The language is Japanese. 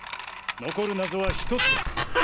残る謎は１つです。